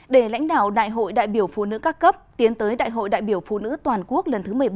để lãnh đạo đại hội đại biểu phụ nữ các cấp tiến tới đại hội đại biểu phụ nữ toàn quốc lần thứ một mươi ba